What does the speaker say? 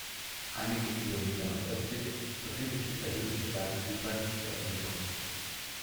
Einige Kilometer nordöstlich befindet sich der höchste Berg Zyperns, der Olympos.